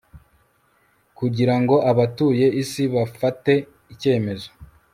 kugira ngo abatuye isi bafate icyemezo